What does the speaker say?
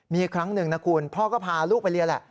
มีครั้งหนึ่งนะคุณพ่อก็พาลูกไปเรียนแหละ